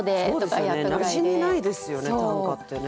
なじみないですよね短歌ってね。